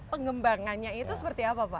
pengembangannya itu seperti apa pak